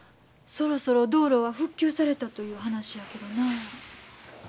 そろそろ道路は復旧されたという話やけどな。